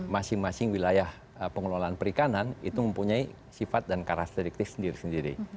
masing masing wilayah pengelolaan perikanan itu mempunyai sifat dan karakteristik sendiri sendiri